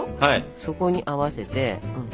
そこに合わせて。